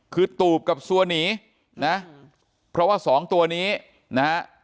คือตูบกับซัวหนีนะเพราะว่าสองตัวนี้นะฮะ